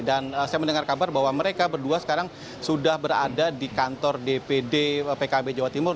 dan saya mendengar kabar bahwa mereka berdua sekarang sudah berada di kantor dpd pkb jawa timur